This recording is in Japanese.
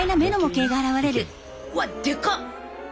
うわっ！でかっ！